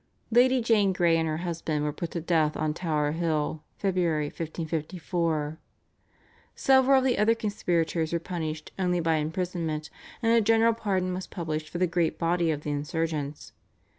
Lady Jane Grey and her husband were put to death on Tower Hill (Feb. 1554); several of the other conspirators were punished only by imprisonment, and a general pardon was published for the great body of the insurgents.